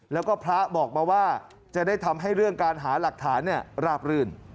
แล้วก็พระบอกมาว่าจะได้ทำให้เรื่องการหาหลักฐานราบรื่น